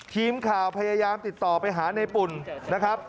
ทีมข่าวพยายามติดต่อไปหาในปุ่นนะครับ